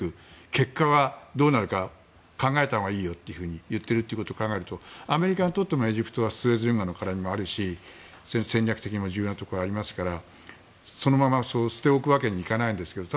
結果がどうなるか考えたほうがいいよというふうに言っていることを考えるとアメリカにとってもエジプトはスエズ運河の絡みもあるし戦略的に重要なところもあるのでそのまま捨ておくわけにはいかないんですけれども。